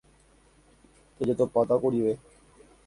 Jajotopáta kurive.